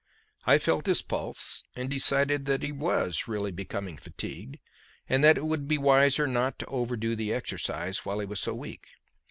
I felt his pulse, and decided that he was really becoming fatigued, and that it would be wiser not to overdo the exercise while he was so weak.